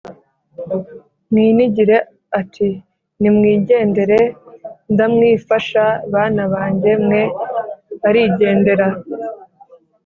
mwinigire, ati nimwigendere ndamwifasha bana banjye mwe barigendera